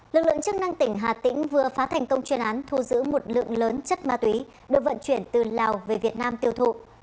lực lượng chức năng tỉnh hà tĩnh vừa phá thành công chuyên án thu giữ một lượng lớn chất ma túy được vận chuyển từ lào về việt nam tiêu thụ